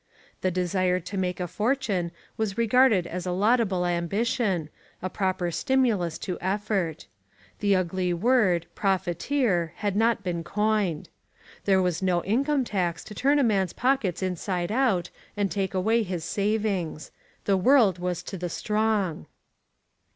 The desire to make a fortune was regarded as a laudable ambition, a proper stimulus to effort. The ugly word "profiteer" had not yet been coined. There was no income tax to turn a man's pockets inside out and take away his savings. The world was to the strong.